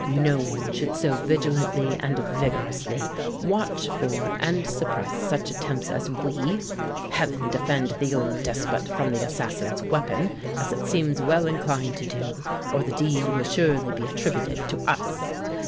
No one should so vigilantly and vigorously watch for and suppress such attempts as we. Heaven defend the old despot from the assassin's weapon, as it seems well inclined to do, or the deed will surely be attributed to us.